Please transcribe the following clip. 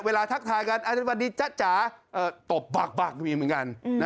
เวลาทักทายกันวันนี้จ๊ะตบบักมีเหมือนกัน